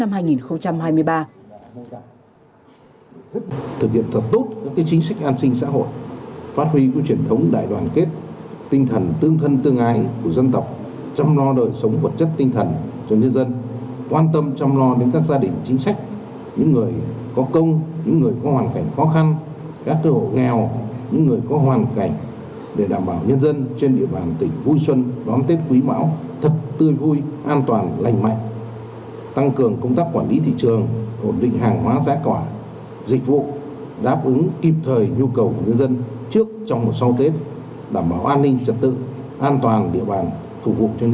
đánh giá cao những nỗ lực trong phục hồi và phát triển kinh tế xã hội cải cách hành chính và thực hiện các chính sách an sinh xã hội phát huy của truyền thống đại đoàn kết tinh thần tương thân tương ai của dân tộc chăm lo đời sống vật chất tinh thần cho nhân dân quan tâm chăm lo đến các gia đình chính sách những người có công những người có hoàn cảnh khó khăn các cơ hội nghèo những người có hoàn cảnh để đảm bảo nhân dân trên địa bàn tỉnh vui xuân đón tết quý mão thật tươi vui an toàn lành mạnh tăng cường công tác quản lý thị trường hồn định